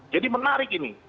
jadi menarik ini